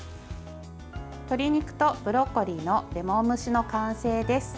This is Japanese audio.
鶏肉とブロッコリーの塩レモン蒸しの完成です。